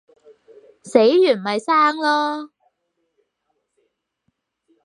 死完咪生囉